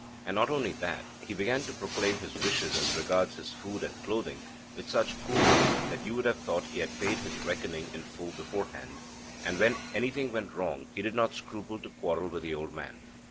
And not only that. He began to proclaim his wishes as regards his food and clothing with such coolness that you would have thought he had paid his reckoning in full beforehand; and, when anything went wrong, he did not scruple to quarrel with the old man.